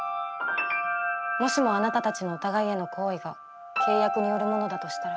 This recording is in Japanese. もしもあなたたちのお互いへの好意が契約によるものだとしたら。